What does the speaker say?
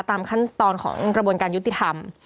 ตามขั้นตอนของกระบวนการยุติธรรม